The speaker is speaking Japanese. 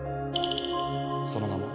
その名も。